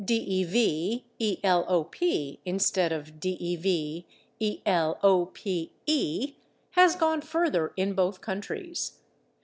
/Develop/ (instead of /develope/) has gone further in both countries.